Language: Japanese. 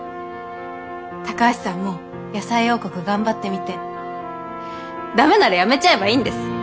高橋さんも野菜王国頑張ってみて駄目ならやめちゃえばいいんです。